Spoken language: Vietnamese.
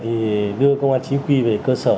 thì đưa công an chính quy về cơ sở